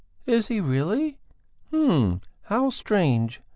"Is he really? Hm! How strange!